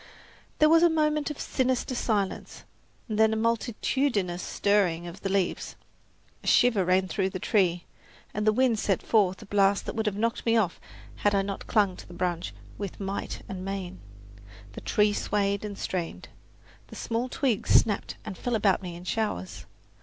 There was a moment of sinister silence, then a multitudinous stirring of the leaves. A shiver ran through the tree, and the wind sent forth a blast that would have knocked me off had I not clung to the branch with might and main. The tree swayed and strained. The small twigs snapped and fell about me in showers.